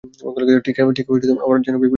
ঠিক আমার বিপরীত।